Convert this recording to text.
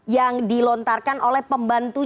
yang dilontarkan oleh pembangunan